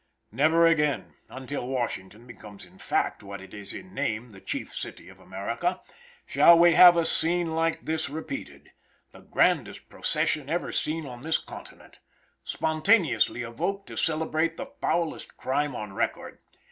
Never again, until Washington becomes in fact what it is in name, the chief city of America, shall we have a scene like this repeated the grandest procession ever seen on this continent, spontaneously evoked to celebrate the foulest crime on record.